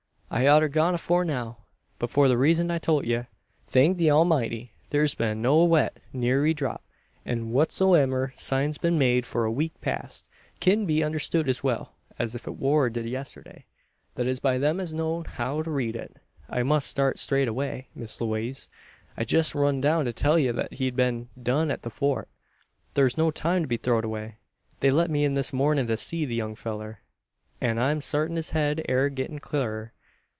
I oughter gone afore now, but for the reezun I've tolt ye. Thank the Awlmighty! thur's been no wet neer y drop; an whatsomiver sign's been made for a week past, kin be understood as well, as if it war did yisterday that is by them as knows how to read it. I must start straight away, Miss Lewaze. I jest runned down to tell ye what hed been done at the Fort. Thur's no time to be throwed away. They let me in this mornin' to see the young fellur; an I'm sartin his head air gettin' clurrer.